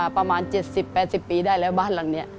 ประมาณ๗๐๘๐ปีได้แล้วบ้านหลังนี้